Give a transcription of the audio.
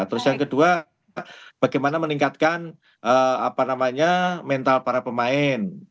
terus yang kedua bagaimana meningkatkan mental para pemain